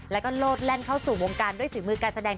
แล้วก็โลดแล่นเข้าสู่วงการด้วยฝีมือการแสดง